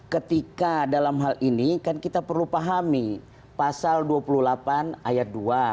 ketika dalam hal ini kan kita perlu pahami pasal dua puluh delapan ayat dua